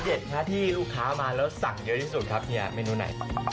แอดพรที่ลูกค้ามาแล้วสั่งเยอะที่สุดเนี้ยเมนูไหน